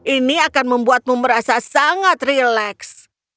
ini akan membuatmu merasa sangat rileks